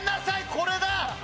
これだ。